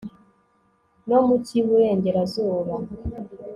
no mu cy iburengerazuba